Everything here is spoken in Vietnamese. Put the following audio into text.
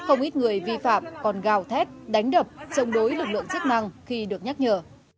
không ít người vi phạm còn gào thép đánh đập chống đối lực lượng chức năng khi được nhắc nhở